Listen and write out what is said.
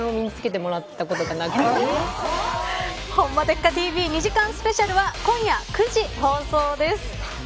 ホンマでっかＴＶ２時間スペシャルは今夜９時放送です。